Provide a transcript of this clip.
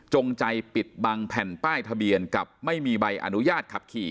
ใจปิดบังแผ่นป้ายทะเบียนกับไม่มีใบอนุญาตขับขี่